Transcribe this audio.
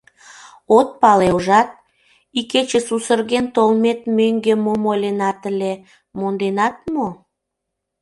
От пале, ужат... икече сусырген толмет мӧҥгӧ мом ойленат ыле, монденат мо?